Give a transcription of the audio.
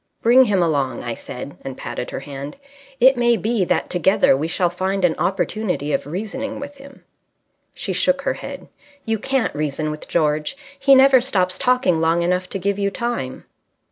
"Bring him along," I said, and patted her hand. "It may be that together we shall find an opportunity of reasoning with him." She shook her head. "You can't reason with George. He never stops talking long enough to give you time."